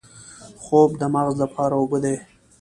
خوب د مغز لپاره اوبه دي